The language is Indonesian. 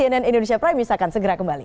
cnn indonesia prime news akan segera kembali